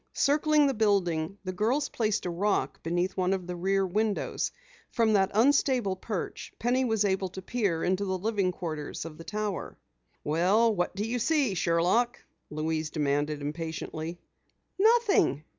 Circling the building, the girls placed a rock beneath one of the rear windows. From that unstable perch, Penny was able to peer into the living quarters of the tower. "Well, what do you see, Sherlock?" Louise demanded impatiently. "Nothing."